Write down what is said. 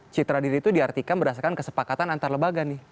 citra diri itu diartikan berdasarkan kesepakatan antarlebaga nih